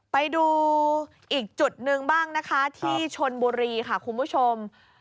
ไปดูอีกจุดหนึ่งบ้างนะคะที่ชนบุรีค่ะคุณผู้ชม